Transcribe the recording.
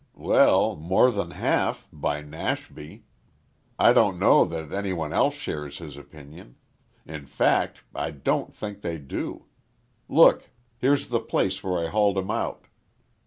"Well, more than half by Nashby. I don't know that any one else shares his opinion. In fact, I don't think they do. Look. Here's the place where I hauled him out."